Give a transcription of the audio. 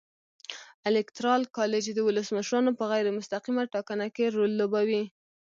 الېکترال کالج د ولسمشرانو په غیر مستقیمه ټاکنه کې رول لوبوي.